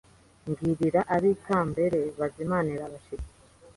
Mbwirira abikambere bazimanirire abashyitsi